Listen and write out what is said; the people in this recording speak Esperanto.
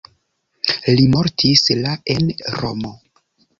Li mortis la en Romo.